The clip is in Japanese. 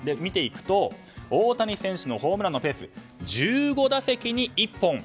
見ていくと大谷選手のホームランのペースは１５打席に１本。